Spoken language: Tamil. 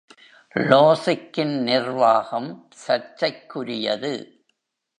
லோசிக்கின் நிர்வாகம் சர்ச்சைக்குரியது.